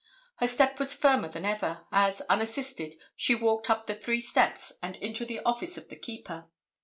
Her step was firmer than ever, as, unassisted, she walked up the three steps and into the office of the keeper.